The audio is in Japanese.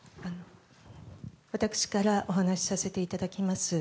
私からお話しさせていただきます。